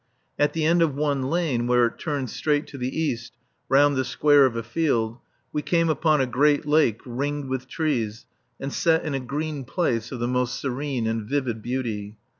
At the end of one lane, where it turned straight to the east round the square of a field we came upon a great lake ringed with trees and set in a green place of the most serene and vivid beauty.